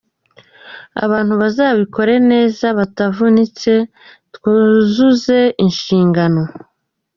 Abantu bazabikore neza batavunitse, twuzuze inshingano.